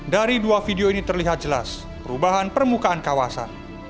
dari dua video ini terlihat jelas perubahan permukaan kawasan